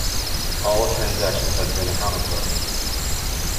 All transactions have been accounted for.